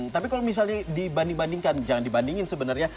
tapi kalau misalnya dibanding bandingkan jangan dibandingin sebenarnya